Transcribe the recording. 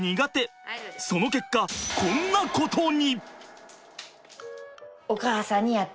その結果こんなことに。